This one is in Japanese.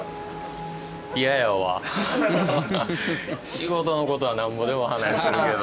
仕事の事はなんぼでも話するけど。